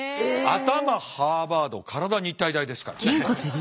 頭ハーバード体日体大ですから。